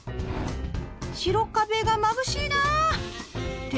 白壁がまぶしいな！って